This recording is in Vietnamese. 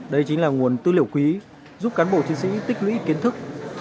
đây chính là nguồn tư liệu quý giúp cán bộ chiến sĩ tích lũy kiến thức